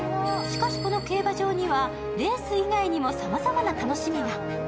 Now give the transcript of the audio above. しかし、この競馬場にはレース以外にもさまざまな楽しみが。